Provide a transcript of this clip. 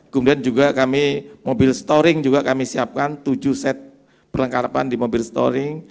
kemudian juga kami mobil storing juga kami siapkan tujuh set perlengkarapan di mobil storing